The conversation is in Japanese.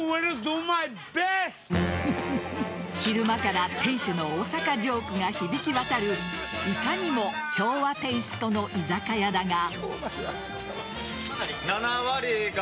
昼間から店主の大阪ジョークが響き渡るいかにも昭和テイストの居酒屋だが。